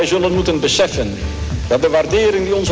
pemerintah indonesia mencetak uang orida di daerah daerah indonesia